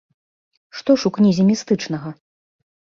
Што ж у кнізе містычнага?